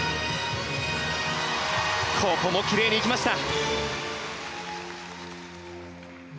ここもきれいにいきました！